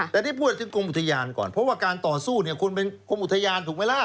แต่นี่พูดถึงกรมอุทยานก่อนเพราะว่าการต่อสู้เนี่ยคุณเป็นกรมอุทยานถูกไหมล่ะ